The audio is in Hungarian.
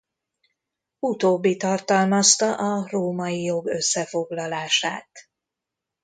Utóbbi tartalmazta a római jog összefoglalását.